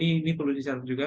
ini perlu diserahkan juga